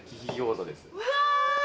うわ！